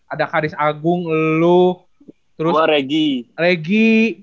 ada karis agung lu terus reg regi